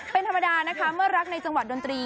เป็นธรรมดานะคะเมื่อรักในจังหวัดดนตรี